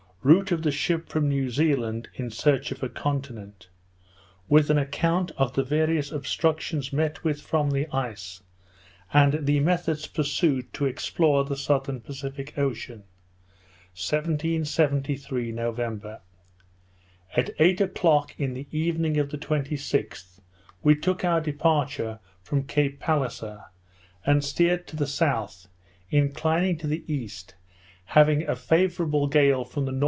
_Route of the Ship from New Zealand in Search of a Continent; with an Account of the various Obstructions met with from the Ice, and the Methods pursued to explore the Southern Pacific Ocean._ 1773 November AT eight o'clock in the evening of the 26th, we took our departure from Cape Palliser, and steered to the south, inclining to the east, having a favourable gale from the N.W.